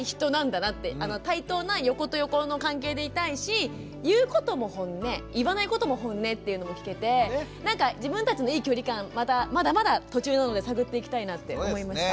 対等な横と横の関係でいたいし言うこともホンネ言わないこともホンネっていうのも聞けてなんか自分たちのいい距離感まだまだ途中なので探っていきたいなって思いました。